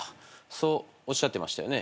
そうおっしゃっていましたよね。